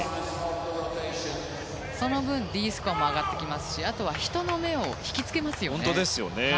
その分Ｄスコア上がりますし人の目を引きつけますよね。